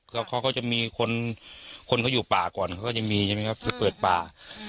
เขาก็จะมีคนคนเขาอยู่ป่าก่อนเขาก็จะมีนะครับเพื่อเปิดป่า